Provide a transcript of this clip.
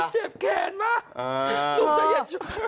เจ็บแขนมาก